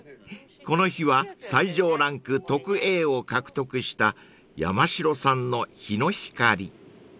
［この日は最上ランク特Ａを獲得した山城産のヒノヒカリ］